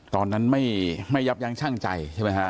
ตอนนั้นไม่ยับยั้งชั่งใจใช่ไหมฮะ